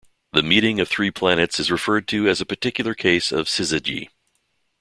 The meeting of three planets is referred to as a particular case of syzygy.